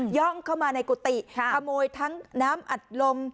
่องเข้ามาในกุฏิขโมยทั้งน้ำอัดลม